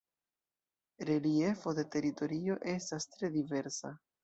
Reliefo de teritorio estas tre diversa.